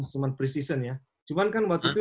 semen pre season ya cuman kan waktu itu